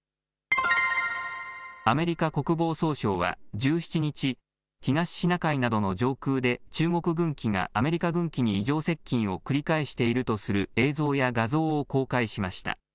アメリカ国防総省は１７日、東シナ海などの上空で、中国軍機がアメリカ軍機に異常接近を繰り返しているとする映像や画像を公開しました。